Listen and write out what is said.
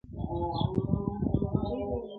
په غیرت او شجاعت مو نوم نښان وو.!